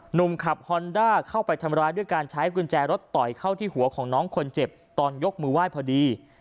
หนุ่มขับฮอนด้าเข้าไปทำร้ายด้วยการใช้กุญแจรถต่อยเข้าที่หัวของน้องคนเจ็บตอนยกมือไหว้พอดี